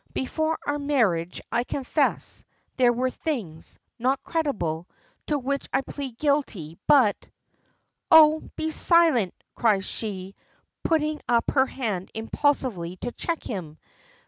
Before our marriage, I confess, there were some things not creditable to which I plead guilty, but " "Oh! be silent!" cries she, putting up her hand impulsively to check him.